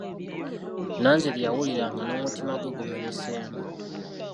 Nanziri yawulira nga n'omutima gwe gumenyeseemu.